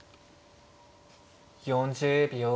４０秒。